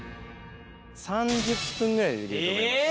３０分ぐらいでできると思います。